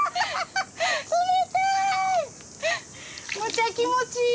むちゃ気持ちいい！